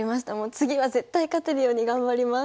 次は絶対勝てるように頑張ります。